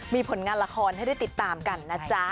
มีผลงานละครให้ได้ติดตามกันนะจ๊ะ